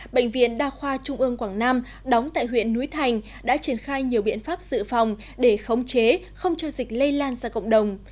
bệnh viện đa khoa trung ương quảng nam đóng tại huyện núi thành đã triển khai nhiều biện pháp dự phòng để khống chế không cho dịch lây lan ra cộng đồng